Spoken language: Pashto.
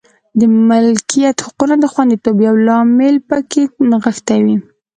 د ملکیت حقونو د خوندیتوب یو لامل په کې نغښتې وې.